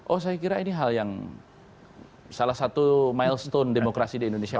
oh saya kira ini hal yang salah satu milestone demokrasi di indonesia